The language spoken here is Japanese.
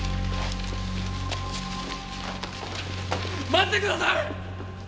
待ってください！